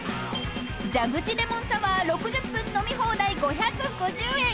［蛇口レモンサワー６０分飲み放題５５０円！］